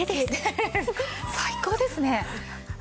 最高ですね！